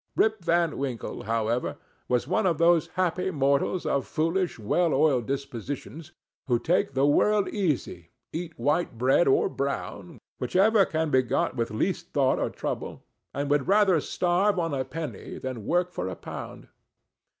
Rip Van Winkle, however, was one of those happy mortals, of foolish, well oiled dispositions, who take the world easy, eat white bread or brown, whichever can be got with least thought or trouble, and would rather starve on a penny than work for a pound.